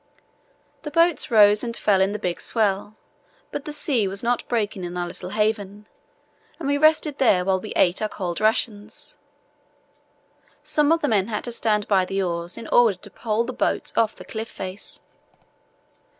The boats rose and fell in the big swell, but the sea was not breaking in our little haven, and we rested there while we ate our cold ration. Some of the men had to stand by the oars in order to pole the boats off the cliff face.